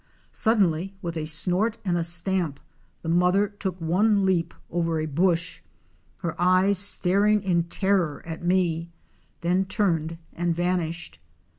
Suddenly with a snort and a stamp the mother took one leap over a bush, her eyes staring in terror at me, then turned and vanished.